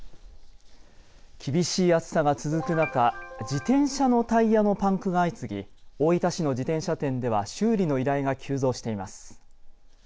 厳しい暑さが続くなか自転車のタイヤのパンクが相次ぎ大分市の自転車店では修理の依頼が急増しています。